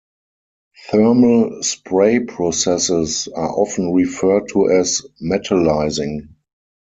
Thermal spray processes are often referred to as metallizing.